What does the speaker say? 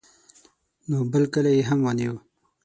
نو بل کلی یې هم ونیو.